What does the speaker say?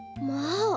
まあ！